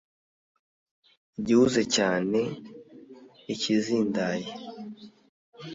igihuze cyane ikizindaye